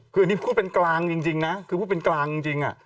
คืออันนี้พูดเป็นกลางจริงนะคือพูดเป็นกลางจริง